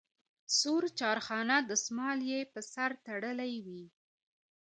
سور چارخانه دستمال یې په سر تړلی وي.